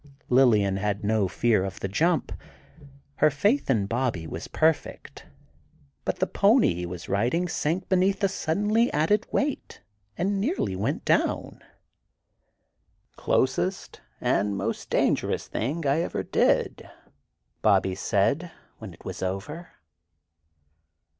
Lillian had no fear of the jump—her faith in Bobby was perfect—but the pony he was riding sank beneath the suddenly added weight, and nearly went down. "Closest and most dangerous thing I ever did," Bobby said when it was over.